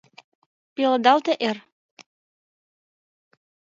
Пеледалте эр!